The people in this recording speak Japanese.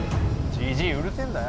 じじいうるせえんだよ。